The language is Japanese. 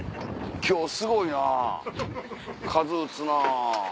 今日すごいな数打つな。